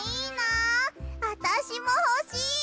あたしもほしい！